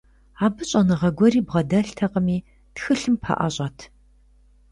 Абы щӀэныгъэ гуэри бгъэдэлътэкъыми, тхылъым пэӀэщӀэт.